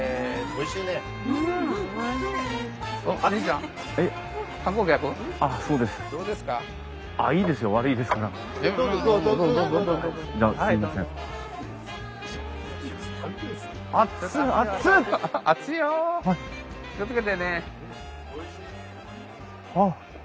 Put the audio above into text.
おいしいですね。